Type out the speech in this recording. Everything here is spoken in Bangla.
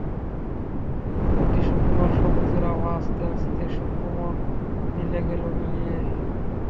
অতি সুকুমার সবুজের আভা আস্তে আস্তে সুকোমল নীলে গেল মিলিয়ে।